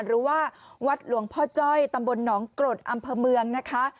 หรือว่าวัดหลวงพ่อจ้อยตำบลหนองกรดอำเภอเมืองนะคะ